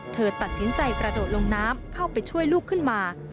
เธอตัดสินใจกระโดดลงน้ำเข้าไปช่วยลูกขึ้นมา